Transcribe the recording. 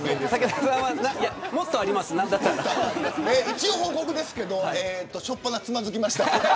一応、報告ですが初っぱな、つまずきました。